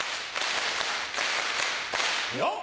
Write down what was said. よっ！